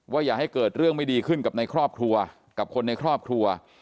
อย่าให้เกิดเรื่องไม่ดีขึ้นกับในครอบครัวกับคนในครอบครัว